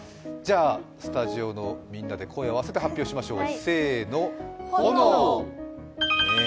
スタジオのみんなで声を合わせて発表しましょう。